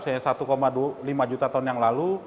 hanya satu lima juta tahun yang lalu